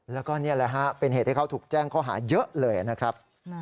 แล้วก็นี่แหละฮะเป็นเหตุให้เขาถูกแจ้งข้อหาเยอะเลยนะครับ